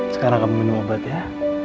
sekarang kamu minum obat ya